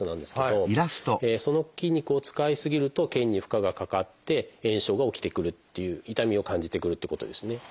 その筋肉を使い過ぎると腱に負荷がかかって炎症が起きてくるっていう痛みを感じてくるってことですね。